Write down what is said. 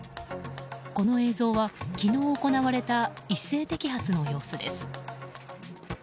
この映像は昨日行われた一斉摘発の様子です。